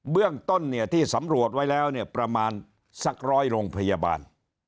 เรื่องต้นเนี่ยที่สำรวจไว้แล้วเนี่ยประมาณสักร้อยโรงพยาบาล